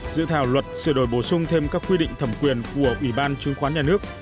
dự thảo luật sửa đổi bổ sung thêm các quy định thẩm quyền của ủy ban chứng khoán nhà nước